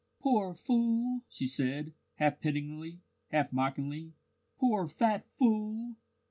"Poor fool!" she said, half pityingly, half mockingly. "Poor fat fool!